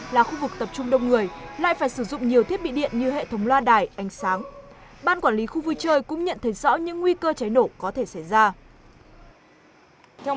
là khu vực tập trung đông người lại phải sử dụng nhiều thiết bị điện như hệ thống loa đài ánh sáng